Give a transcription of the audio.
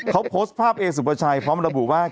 เขาโพสต์ภาพเอสุปชัยพร้อมระบุว่า